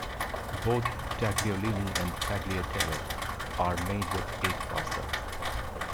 Both tagliolini and tagliatelle are made with egg pasta.